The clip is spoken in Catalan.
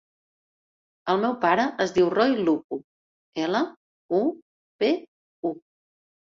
El meu pare es diu Roi Lupu: ela, u, pe, u.